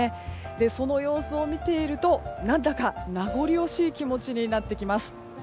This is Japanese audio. その様子を見ていると何だか名残惜しい気持ちになってきます。